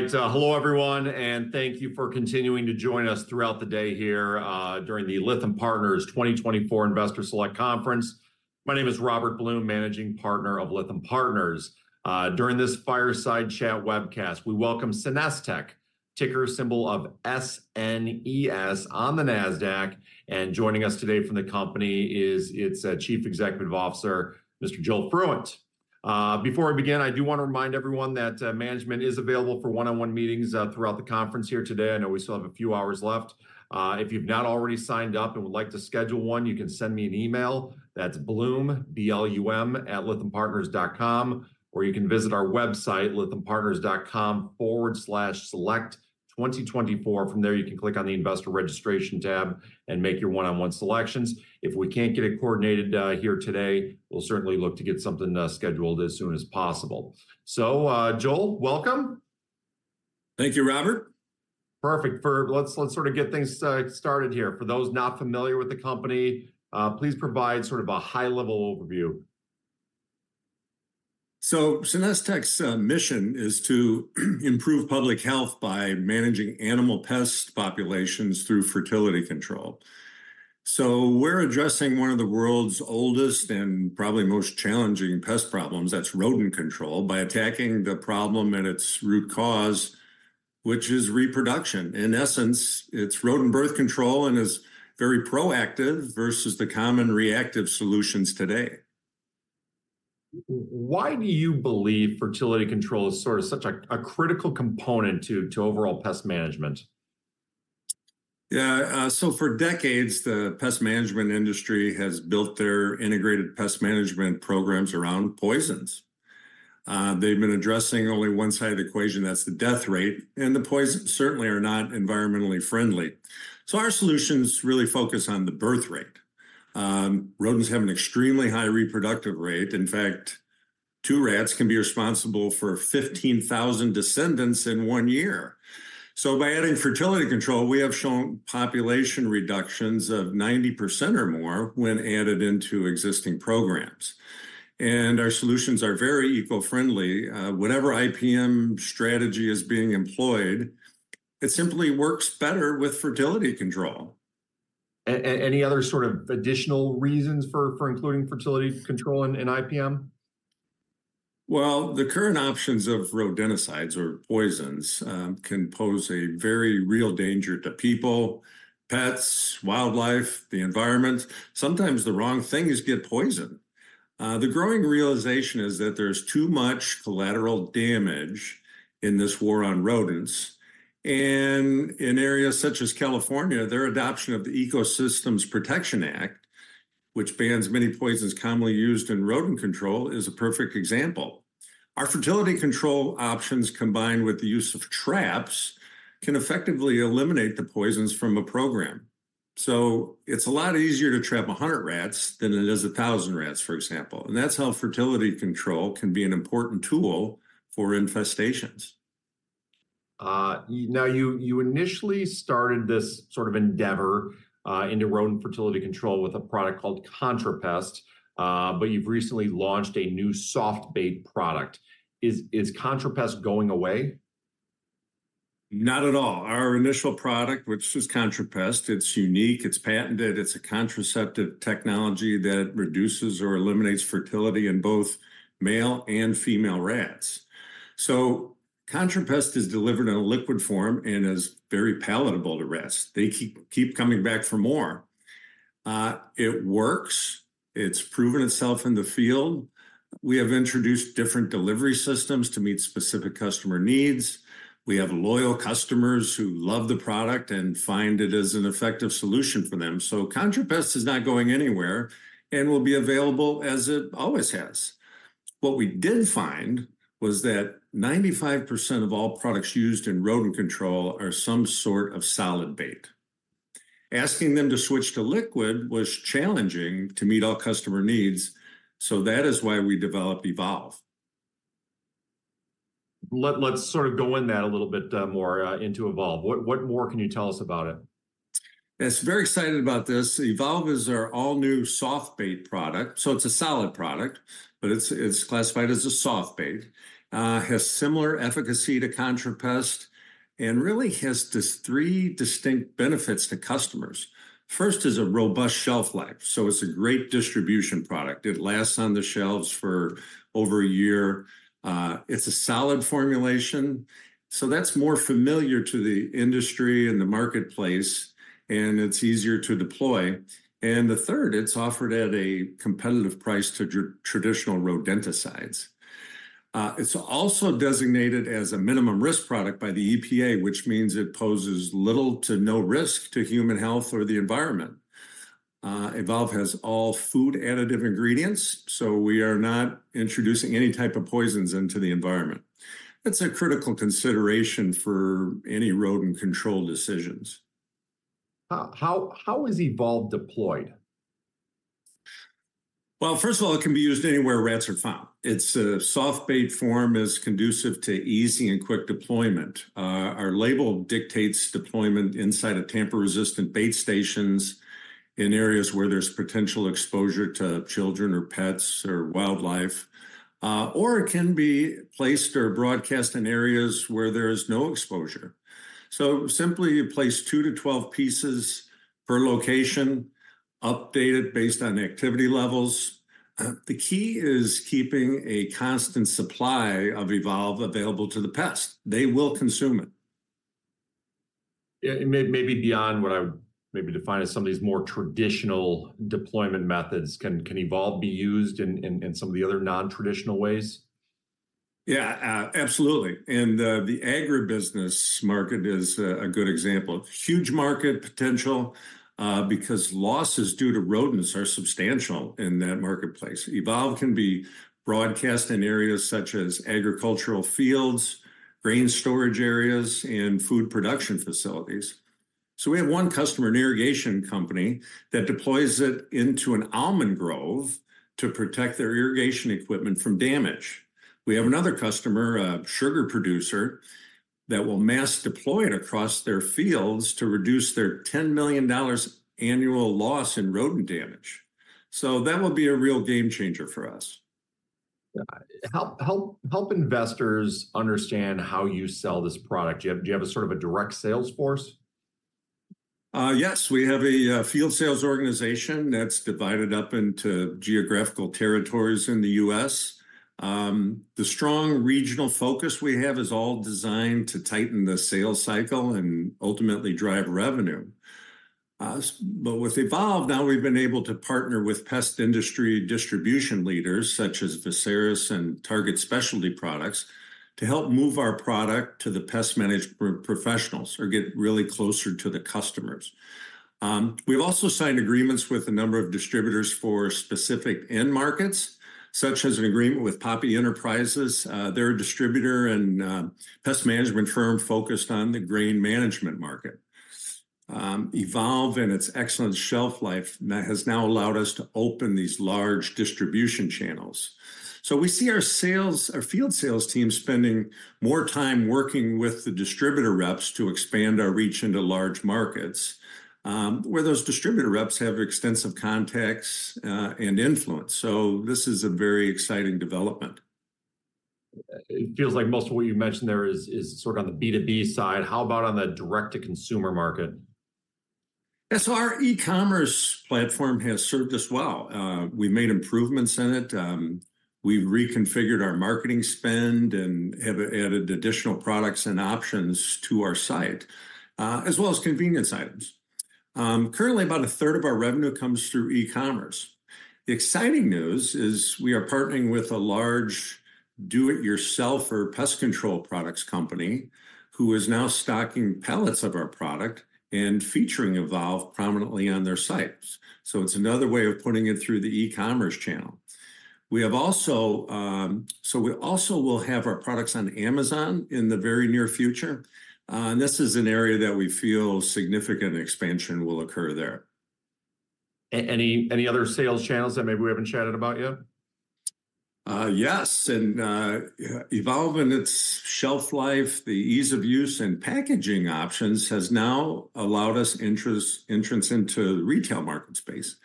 All right, hello, everyone, and thank you for continuing to join us throughout the day here during the Lytham Partners 2024 Investor Select Conference. My name is Robert Blum, Managing Partner of Lytham Partners. During this fireside chat webcast, we welcome SenesTech, ticker symbol SNES on the NASDAQ, and joining us today from the company is its Chief Executive Officer, Mr. Joel Fruendt. Before I begin, I do want to remind everyone that management is available for one-on-one meetings throughout the conference here today. I know we still have a few hours left. If you've not already signed up and would like to schedule one, you can send me an email. That's blum, B-L-U-M, @lythampartners.com, or you can visit our website, lythampartners.com/select2024. From there, you can click on the Investor Registration tab and make your one-on-one selections. If we can't get it coordinated, here today, we'll certainly look to get something, scheduled as soon as possible. So, Joel, welcome. Thank you, Robert. Perfect. Let's sort of get things started here. For those not familiar with the company, please provide sort of a high-level overview. So SenesTech's mission is to improve public health by managing animal pest populations through fertility control. So we're addressing one of the world's oldest and probably most challenging pest problems, that's rodent control, by attacking the problem at its root cause, which is reproduction. In essence, it's rodent birth control and is very proactive versus the common reactive solutions today. Why do you believe fertility control is sort of such a critical component to overall pest management? For decades, the pest management industry has built their integrated pest management programs around poisons. They've been addressing only one side of the equation, that's the death rate, and the poisons certainly are not environmentally friendly. Our solutions really focus on the birth rate. Rodents have an extremely high reproductive rate. In fact, two rats can be responsible for 15,000 descendants in one year. By adding fertility control, we have shown population reductions of 90% or more when added into existing programs, and our solutions are very eco-friendly. Whatever IPM strategy is being employed, it simply works better with fertility control. Any other sort of additional reasons for including fertility control in IPM? Well, the current options of rodenticides or poisons can pose a very real danger to people, pets, wildlife, the environment. Sometimes the wrong things get poisoned. The growing realization is that there's too much collateral damage in this war on rodents, and in areas such as California, their adoption of the Ecosystems Protection Act, which bans many poisons commonly used in rodent control, is a perfect example. Our fertility control options, combined with the use of traps, can effectively eliminate the poisons from a program. So it's a lot easier to trap 100 rats than it is 1,000 rats, for example, and that's how fertility control can be an important tool for infestations. Now, you initially started this sort of endeavor into rodent fertility control with a product called ContraPest, but you've recently launched a new soft bait product. Is ContraPest going away? Not at all. Our initial product, which is ContraPest, it's unique, it's patented, it's a contraceptive technology that reduces or eliminates fertility in both male and female rats. So ContraPest is delivered in a liquid form and is very palatable to rats. They keep coming back for more. It works. It's proven itself in the field. We have introduced different delivery systems to meet specific customer needs. We have loyal customers who love the product and find it is an effective solution for them. So ContraPest is not going anywhere and will be available as it always has. What we did find was that 95% of all products used in rodent control are some sort of solid bait. Asking them to switch to liquid was challenging to meet all customer needs, so that is why we developed Evolve. Let's sort of go in that a little bit more into Evolve. What more can you tell us about it? Yes, very excited about this. Evolve is our all-new soft bait product, so it's a solid product, but it's classified as a soft bait. It has similar efficacy to ContraPest and really has these three distinct benefits to customers. First is a robust shelf life, so it's a great distribution product. It lasts on the shelves for over a year. It's a solid formulation, so that's more familiar to the industry and the marketplace, and it's easier to deploy. And the third, it's offered at a competitive price to traditional rodenticides. It's also designated as a minimum risk product by the EPA, which means it poses little to no risk to human health or the environment. Evolve has all food additive ingredients, so we are not introducing any type of poisons into the environment. That's a critical consideration for any rodent control decisions. How is Evolve deployed?... Well, first of all, it can be used anywhere rats are found. Its soft bait form is conducive to easy and quick deployment. Our label dictates deployment inside of tamper-resistant bait stations in areas where there's potential exposure to children or pets or wildlife. Or it can be placed or broadcast in areas where there is no exposure. So simply place 2 to 12 pieces per location, update it based on activity levels. The key is keeping a constant supply of Evolve available to the pest. They will consume it. Yeah, and maybe beyond what I would maybe define as some of these more traditional deployment methods, can Evolve be used in some of the other non-traditional ways? Yeah, absolutely. And, the agribusiness market is a good example. Huge market potential, because losses due to rodents are substantial in that marketplace. Evolve can be broadcast in areas such as agricultural fields, grain storage areas, and food production facilities. So we have one customer, an irrigation company, that deploys it into an almond grove to protect their irrigation equipment from damage. We have another customer, a sugar producer, that will mass deploy it across their fields to reduce their $10 million annual loss in rodent damage. So that will be a real game changer for us. Help investors understand how you sell this product. Do you have a sort of a direct sales force? Yes, we have a field sales organization that's divided up into geographical territories in the U.S. The strong regional focus we have is all designed to tighten the sales cycle and ultimately drive revenue. But with Evolve, now we've been able to partner with pest industry distribution leaders, such as Veseris and Target Specialty Products, to help move our product to the pest management professionals or get really closer to the customers. We've also signed agreements with a number of distributors for specific end markets, such as an agreement with Poppe Enterprises. They're a distributor and pest management firm focused on the grain management market. Evolve and its excellent shelf life has now allowed us to open these large distribution channels. So we see our sales, our field sales team spending more time working with the distributor reps to expand our reach into large markets, where those distributor reps have extensive contacts, and influence. So this is a very exciting development. It feels like most of what you mentioned there is sort of on the B2B side. How about on the direct-to-consumer market? Yes, so our e-commerce platform has served us well. We've made improvements in it. We've reconfigured our marketing spend and have added additional products and options to our site, as well as convenience items. Currently, about a third of our revenue comes through e-commerce. The exciting news is we are partnering with a large do-it-yourself or pest control products company, who is now stocking pallets of our product and featuring Evolve prominently on their sites. So it's another way of putting it through the e-commerce channel. So we also will have our products on Amazon in the very near future, and this is an area that we feel significant expansion will occur there. Any other sales channels that maybe we haven't chatted about yet? Yes, and yeah, Evolve in its shelf life, the ease of use and packaging options, has now allowed us entrance, entrance into the retail market space.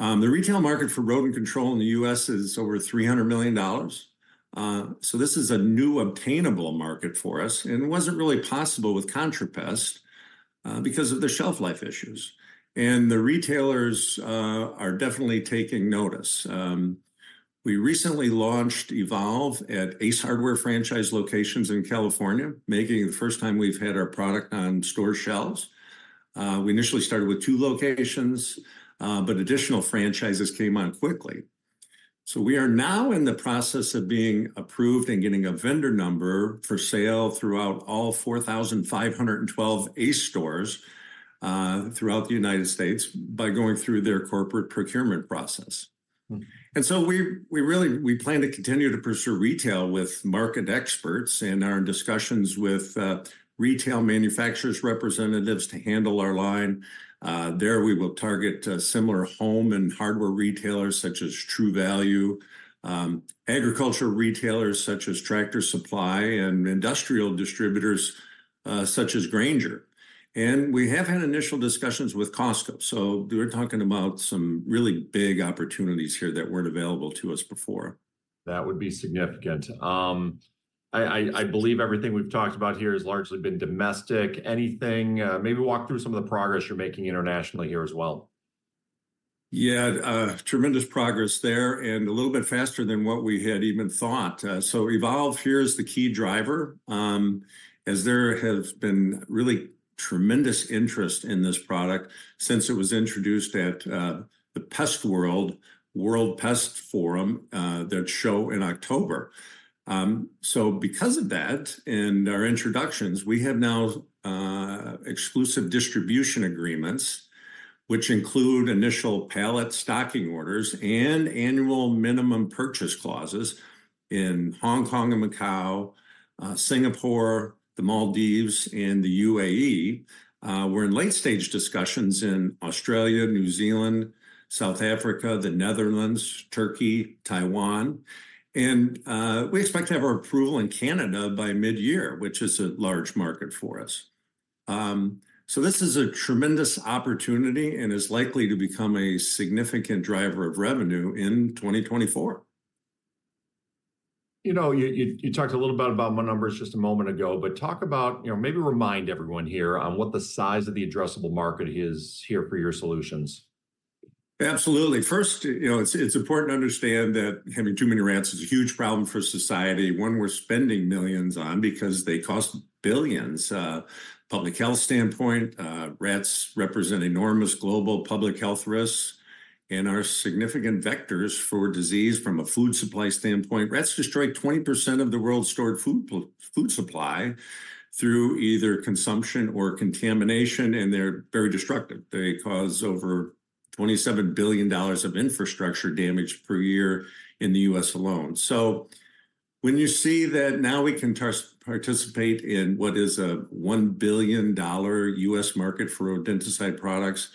The retail market for rodent control in the U.S. is over $300 million. So this is a new obtainable market for us, and it wasn't really possible with ContraPest, because of the shelf life issues. And the retailers are definitely taking notice. We recently launched Evolve at Ace Hardware franchise locations in California, making it the first time we've had our product on store shelves. We initially started with two locations, but additional franchises came on quickly. So we are now in the process of being approved and getting a vendor number for sale throughout all 4,512 Ace stores throughout the United States, by going through their corporate procurement process. Mm. So we really plan to continue to pursue retail with market experts in our discussions with retail manufacturers representatives to handle our line. We will target similar home and hardware retailers such as True Value, agriculture retailers such as Tractor Supply, and industrial distributors such as Grainger. We have had initial discussions with Costco, so we're talking about some really big opportunities here that weren't available to us before. That would be significant. I believe everything we've talked about here has largely been domestic. Anything, maybe walk through some of the progress you're making internationally here as well? Yeah, tremendous progress there, and a little bit faster than what we had even thought. So Evolve, here is the key driver, as there has been really tremendous interest in this product since it was introduced at the PestWorld, World Pest Forum, their show in October. So because of that and our introductions, we have now exclusive distribution agreements, which include initial pallet stocking orders and annual minimum purchase clauses in Hong Kong and Macau, Singapore, the Maldives, and the UAE. We're in late-stage discussions in Australia, New Zealand, South Africa, the Netherlands, Turkey, Taiwan, and we expect to have our approval in Canada by mid-year, which is a large market for us. So this is a tremendous opportunity and is likely to become a significant driver of revenue in 2024. You know, you talked a little bit about numbers just a moment ago, but talk about, you know, maybe remind everyone here on what the size of the addressable market is here for your solutions. Absolutely. First, you know, it's, it's important to understand that having too many rats is a huge problem for society, one we're spending millions on because they cost billions. Public health standpoint, rats represent enormous global public health risks and are significant vectors for disease. From a food supply standpoint, rats destroy 20% of the world's stored food supply through either consumption or contamination, and they're very destructive. They cause over $27 billion of infrastructure damage per year in the U.S. alone. So when you see that now we can participate in what is a $1 billion U.S. market for rodenticide products,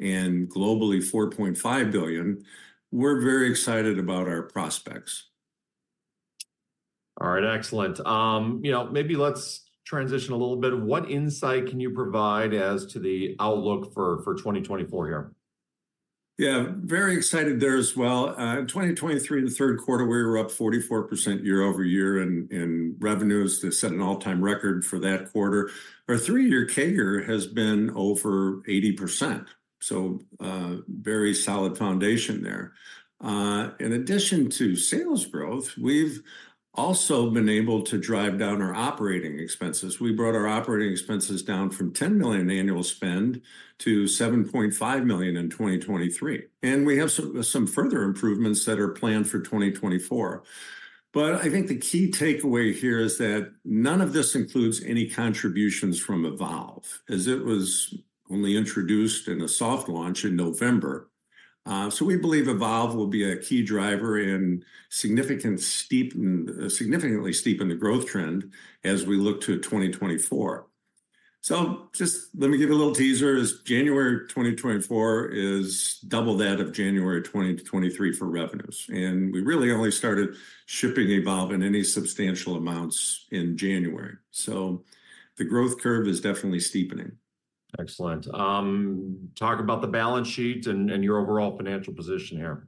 and globally, $4.5 billion, we're very excited about our prospects. All right, excellent. You know, maybe let's transition a little bit. What insight can you provide as to the outlook for 2024 here? Yeah, very excited there as well. In 2023, in the Q3, we were up 44% year-over-year in revenues to set an all-time record for that quarter. Our three-year CAGR has been over 80%, so very solid foundation there. In addition to sales growth, we've also been able to drive down our operating expenses. We brought our operating expenses down from $10 million annual spend to $7.5 million in 2023, and we have some further improvements that are planned for 2024. But I think the key takeaway here is that none of this includes any contributions from Evolve, as it was only introduced in a soft launch in November. So we believe Evolve will be a key driver in significantly steepening the growth trend as we look to 2024. So just let me give a little teaser, January 2024 is double that of January 2023 for revenues, and we really only started shipping Evolve in any substantial amounts in January, so the growth curve is definitely steepening. Excellent. Talk about the balance sheet and, and your overall financial position here.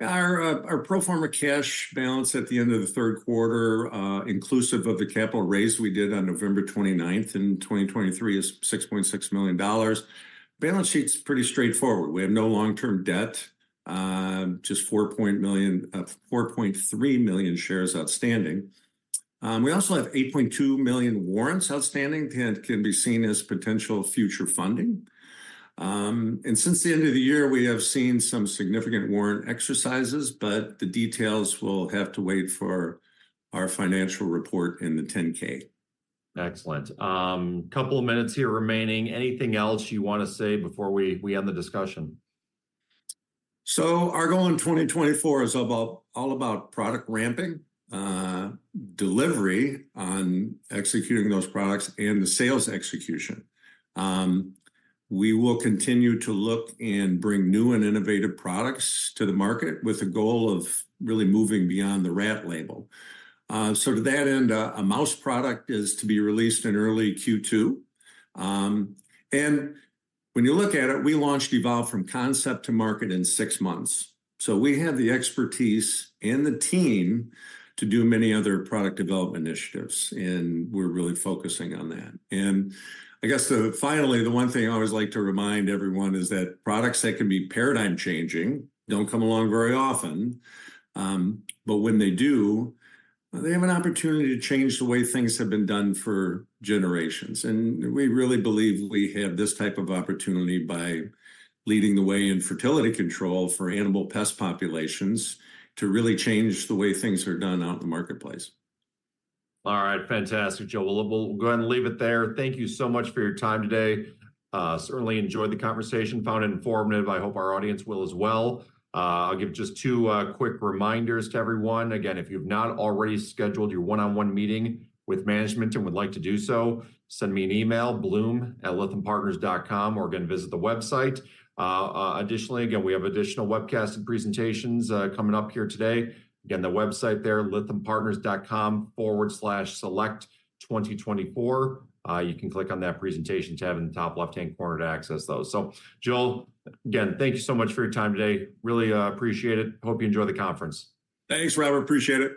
Our pro forma cash balance at the end of the Q3, inclusive of the capital raise we did on November 29th in 2023, is $6.6 million. Balance sheet's pretty straightforward. We have no long-term debt, just 4.3 million shares outstanding. We also have 8.2 million warrants outstanding that can be seen as potential future funding. And since the end of the year, we have seen some significant warrant exercises, but the details will have to wait for our financial report in the 10-K. Excellent. Couple of minutes here remaining. Anything else you want to say before we, we end the discussion? So our goal in 2024 is about, all about product ramping, delivery on executing those products, and the sales execution. We will continue to look and bring new and innovative products to the market with the goal of really moving beyond the rat label. So to that end, a, a mouse product is to be released in early Q2. And when you look at it, we launched Evolve from concept to market in six months. So we have the expertise and the team to do many other product development initiatives, and we're really focusing on that. And I guess finally, the one thing I always like to remind everyone is that products that can be paradigm-changing don't come along very often, but when they do, they have an opportunity to change the way things have been done for generations. We really believe we have this type of opportunity by leading the way in fertility control for animal pest populations to really change the way things are done out in the marketplace. All right. Fantastic, Joel. Well, we'll, we'll go ahead and leave it there. Thank you so much for your time today. Certainly enjoyed the conversation, found it informative. I hope our audience will as well. I'll give just two quick reminders to everyone. Again, if you've not already scheduled your one-on-one meeting with management and would like to do so, send me an email, blum@lythampartners.com, or again, visit the website. Additionally, again, we have additional webcast and presentations coming up here today. Again, the website there, lythampartners.com/select2024. You can click on that presentation tab in the top left-hand corner to access those. So, Joel, again, thank you so much for your time today. Really appreciate it. Hope you enjoy the conference. Thanks, Robert. Appreciate it.